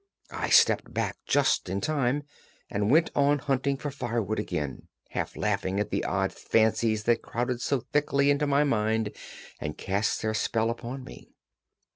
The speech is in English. I stepped back just in time, and went on hunting for firewood again, half laughing at the odd fancies that crowded so thickly into my mind and cast their spell upon me.